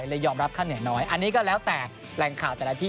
เลยยอมรับค่าเหนื่อยน้อยอันนี้ก็แล้วแต่แหล่งข่าวแต่ละที่